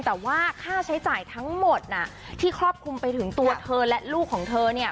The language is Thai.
แต่ว่าค่าใช้จ่ายทั้งหมดน่ะที่ครอบคลุมไปถึงตัวเธอและลูกของเธอเนี่ย